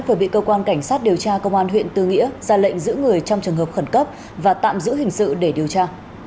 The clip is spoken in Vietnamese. vừa bị cơ quan cảnh sát điều tra công an huyện tư nghĩa ra lệnh giữ người trong trường hợp khẩn cấp và tạm giữ hình sự để điều tra